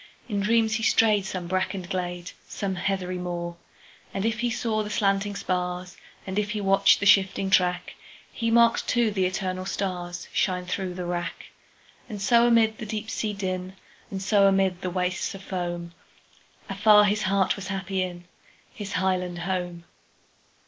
In dreams he strayed some brackened glade, Some heathery moor. And if he saw the slanting spars, And if he watched the shifting track, He marked, too, the eternal starsShine through the wrack. And so amid the deep sea din, And so amid the wastes of foam, Afar his heart was happy inHis highland home!